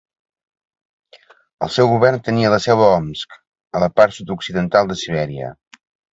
El seu govern tenia la seu a Omsk, a la part sud-occidental de Sibèria.